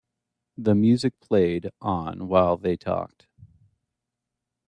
The music played on while they talked.